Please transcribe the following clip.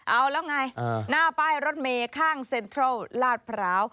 เอาแล้วไงหน้าป้ายรถเมย์ข้างเซ็นทรัลลาดพร้าว